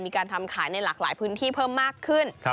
มีการทำขายในหลากหลายพื้นที่เพิ่มมากขึ้น